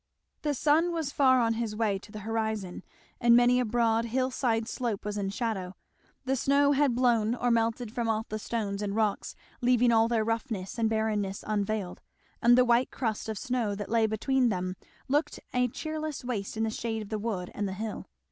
The sun was far on his way to the horizon, and many a broad hill side slope was in shadow; the snow had blown or melted from off the stones and rocks leaving all their roughness and bareness unveiled; and the white crust of snow that lay between them looked a cheerless waste in the shade of the wood and the hill.